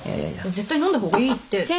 絶対飲んだ方がいいって。